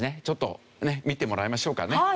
ちょっとね見てもらいましょうかね。